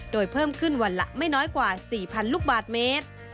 โดยเพิ่มขึ้นวันละไม่น้อยกว่า๔๐๐ลูกบาทเมตร